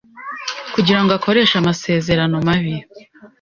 kugira ngo akoreshe amasezerano mabi,